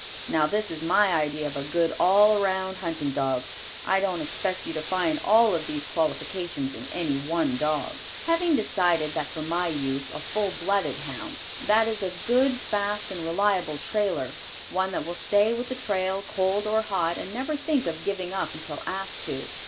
Now this is my idea of a good all around hunting dog. I don't expect you to find all of these qualifications in any one dog. Have decided that for my use, a full blooded hound. That is a good, fast and reliable trailer, one that will stay with the trail, cold or hot, and never think of giving up until asked to.